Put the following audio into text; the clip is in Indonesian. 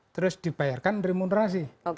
terus dibayarkan remunerasi